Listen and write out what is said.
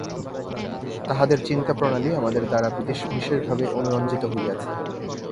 তাহাদের চিন্তাপ্রণালী আমাদের দ্বারা বিশেষভাবে অনুরঞ্জিত হইয়াছে।